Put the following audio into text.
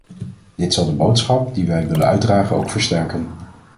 Dit zal de boodschap die wij willen uitdragen ook versterken.